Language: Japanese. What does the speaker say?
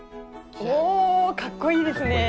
おかっこいいですね。